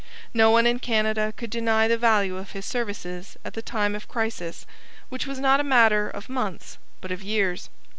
No one in Canada could deny the value of his services at the time of crisis which was not a matter of months but of years.